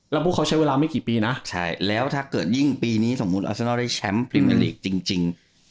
แล้วพวกเขาใช้เวลาไม่กี่ปีนะแล้วถ้าเกิดยิ่งปีนี้สมมุติอาเซนอลได้แชมป์พรีเมอร์ลีกจริง